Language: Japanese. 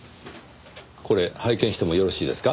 これ拝見してもよろしいですか？